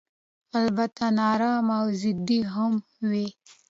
البته نا ارامه او ضدي هم وي.